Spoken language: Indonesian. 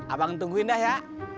abang ngetungguin dah ya